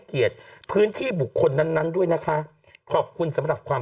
เกียรติพื้นที่บุคคลนั้นนั้นด้วยนะคะขอบคุณสำหรับความ